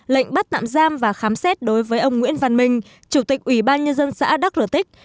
lệnh bắt nạm giam và khám xét đối với ông nguyễn văn minh chủ tịch ủy ban nhân dân xã đắc routine